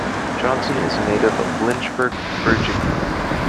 Johnson is a native of Lynchburg, Virginia.